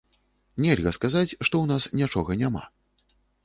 Нельга сказаць, што ў нас нічога няма.